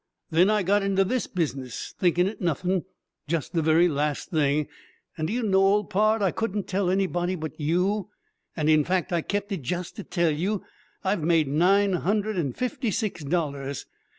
"Then I got into this business thinkin' it nothin' jest the very last thing and do you know, old pard, I couldn't tell anybody but you and, in fact, I kept it jest to tell you I've made nine hundred and fifty six dollars!